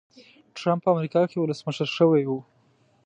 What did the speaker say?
ټرمپ په امریکا کې ولسمشر شوی و.